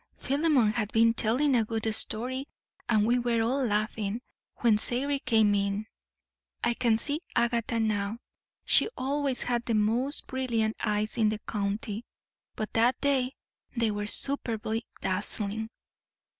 Philemon had been telling a good story, and we were all laughing, when Sairey came in. I can see Agatha now. She always had the most brilliant eyes in the county, but that day they were superbly dazzling.